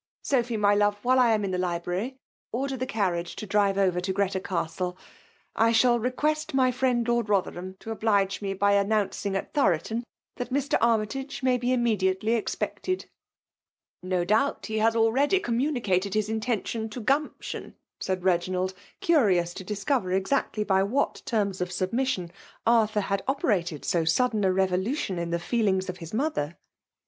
— Sophy, my love, while I am in the library, order the carriage to drive over to Greta Coigtle. I shall request my friend Lord Rotheram to oblige me by announcing at Thoroton, that Mr. Armytage may be im mediately expected." JFEMAU& BOUlVAinOSf. 191 " liio doabi he htm already communicated Ub intentioB to Ghimption," said Begiiia)d« curious to dkcover exactly by what tenos of submission Arthur had operated so sudden a rerohition in the feelings of his molher.